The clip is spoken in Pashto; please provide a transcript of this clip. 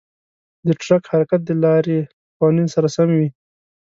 د ټرک حرکت د لارې قوانینو سره سم وي.